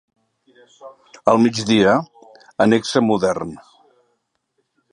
Al migdia, annexa modern.